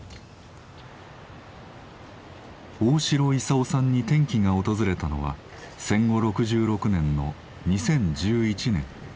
大城勲さんに転機が訪れたのは戦後６６年の２０１１年。